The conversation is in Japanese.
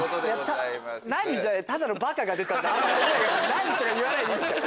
「なに？」とか言わないでいいですから。